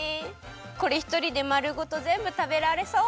これひとりでまるごとぜんぶたべられそう！